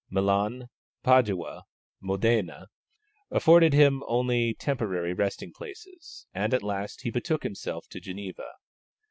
Milan, Padua, Modena afforded him only temporary resting places, and at last he betook himself to Geneva.